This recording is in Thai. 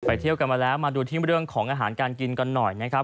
เที่ยวกันมาแล้วมาดูที่เรื่องของอาหารการกินกันหน่อยนะครับ